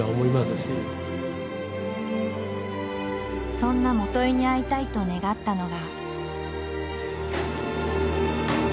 そんな元井に会いたいと願ったのが。